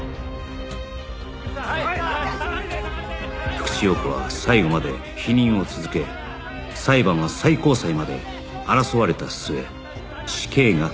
福地陽子は最後まで否認を続け裁判は最高裁まで争われた末死刑が確定した